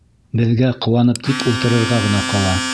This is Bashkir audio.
Беҙгә ҡыуанып тик ултырырға ғына ҡала!